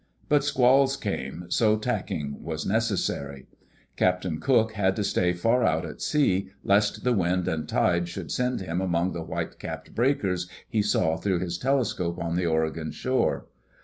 But squalls came, so tack ing was necessary. Captain Cook had to stay far out at sea lest the wind and tide should send him among the white capped breakers he saw through his telescope on the Oregon shore.